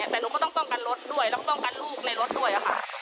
แต่หนูก็ต้องป้องกันรถด้วยต้องป้องกันลูกในรถด้วยค่ะ